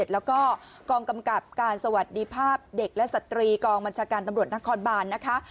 แล้วก็กองกำกับการสวัสดีภาพเด็กและสตรีกองบัญชาการตำรวจนครบานนะคะ